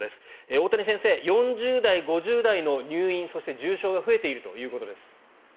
大谷先生４０代、５０代の入院そして重症が増えているということです。